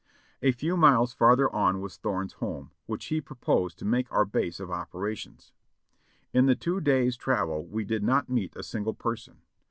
A few miles farther on was Thome's home, which he proposed to make our base of operations. In the two days' travel we did not meet a single person.